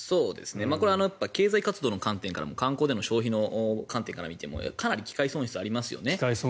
これは経済活動の観点からも観光での消費の観点から見てもかなり機会損失ありますよね。